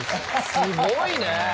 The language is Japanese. すごいね。